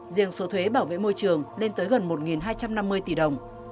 riêng số thuế bảo vệ môi trường lên tới gần một hai trăm năm mươi tỷ đồng